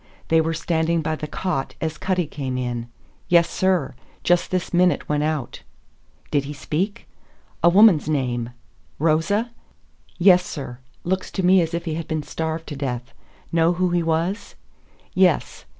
They were standing by the cot as Cutty came in. "Yes, sir. Just this minute went out." "Did he speak?" "A woman's name." "Rosa?" "Yes, sir. Looks to me as if he had been starved to death. Know who he was?" "Yes.